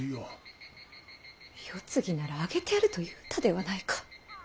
世継ぎならあげてやると言うたではないか！